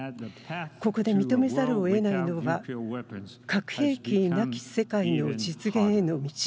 ここで認めざるをえないのが核兵器なき世界の実現への道。